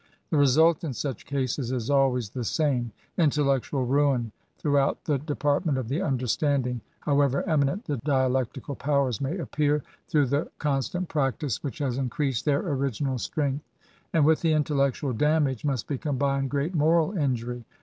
The result in such cases is always the same, — intellectual ruin, throughout the de partment of the understanding, however eminent the dialectical powers may appear^ through the constant practice which has increased their original 216 ESSAYS. strength ; and with the intellectual damage must be combined great moral injury.